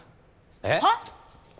えっ？はっ？